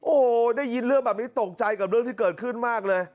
โอ้โหได้ยินเรื่องแบบนี้ตกใจกับเรื่องที่เกิดขึ้นมากเลย